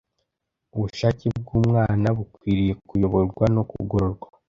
Ubushake bw’umwana bukwiriye kuyoborwa no kugororwa,